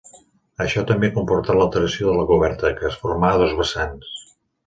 Això també comportà l'alteració de la coberta, que es formà a dos vessants.